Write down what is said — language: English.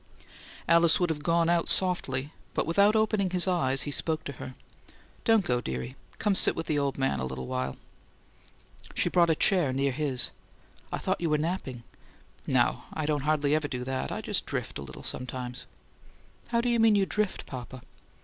Alice would have gone out softly, but without opening his eyes, he spoke to her: "Don't go, dearie. Come sit with the old man a little while." She brought a chair near his. "I thought you were napping." "No. I don't hardly ever do that. I just drift a little sometimes." "How do you mean you drift, papa?"